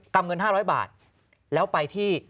เงิน๕๐๐บาทแล้วไปที่